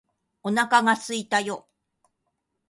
お腹がすいたよ